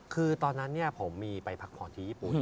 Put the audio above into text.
คือตอนนั้นผมมีไปพักผ่อนที่ญี่ปุ่น